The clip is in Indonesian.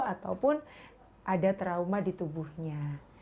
ataupun ada trauma di tubuhnya